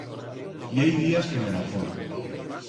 I hai días que me la foi.